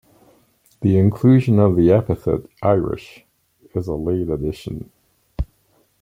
The inclusion of the epithet "Irish" is a late addition.